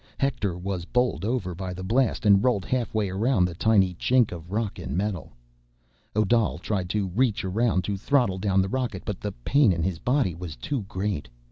Hector was bowled over by the blast and rolled halfway around the tiny chink of rock and metal. Odal tried to reach around to throttle down the rocket, but the pain in his body was too great.